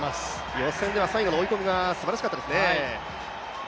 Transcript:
予選では最後の追い込みがすばらしかったですね。